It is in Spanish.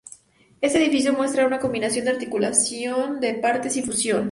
Este edificio muestra una combinación de articulación de partes y fusión.